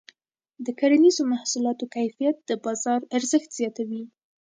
د کرنیزو محصولاتو کیفیت د بازار ارزښت زیاتوي.